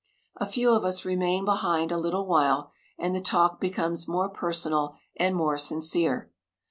A few of us remain behind a little while, and the talk becomes more personal and more sincere.